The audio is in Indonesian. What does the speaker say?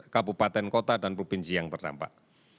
kabupaten kota dan provinsi yang terdampak